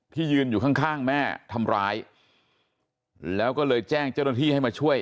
ยืนอยู่ข้างแม่ทำร้ายแล้วก็เลยแจ้งเจ้าหน้าที่ให้มาช่วย